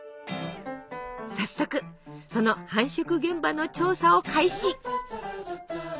早速その繁殖現場の調査を開始！